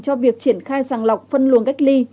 cho việc triển khai sàng lọc phân luồng cách ly